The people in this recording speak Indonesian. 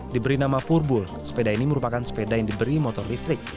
diberi nama furbul sepeda ini merupakan sepeda yang diberi motor listrik